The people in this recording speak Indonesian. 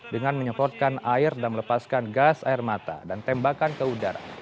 dengan menyemprotkan air dan melepaskan gas air mata dan tembakan ke udara